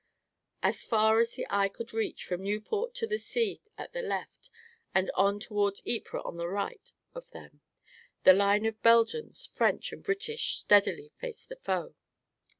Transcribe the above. As far as the eye could reach, from Nieuport to the sea at the left, and on toward Ypres at the right of them, the line of Belgians, French and British steadily faced the foe.